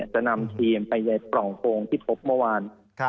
จะนำทีมไปในปล่องโฟงที่พบเมื่อวาน